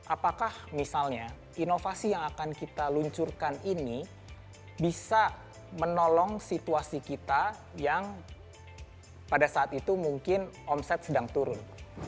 apakah misalnya inovasi yang akan kita luncurkan ini bisa menolong situasi kita yang pada saat itu mungkin omset sedang turun